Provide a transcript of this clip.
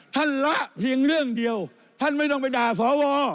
ละเพียงเรื่องเดียวท่านไม่ต้องไปด่าสว